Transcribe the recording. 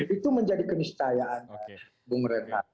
itu menjadi keniscayaan bung renhat